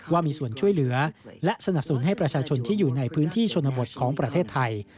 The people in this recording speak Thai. ว่ามีส่วนช่วยเหลือและสนับสนุนให้ประชาชนที่อยู่ในพื้นที่ชนบทของประเทศไทย